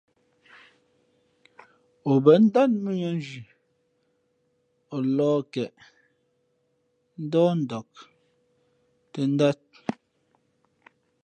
Ǒ bά ndát mʉ̄ᾱnzhi o lα̌h keꞌ, ndάh ndak tᾱ ndát.